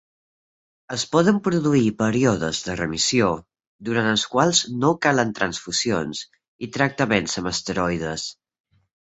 Es poden produir períodes de remissió durant els quals no calen transfusions i tractaments amb esteroides.